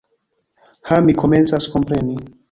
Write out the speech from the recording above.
Ha, mi komencas kompreni.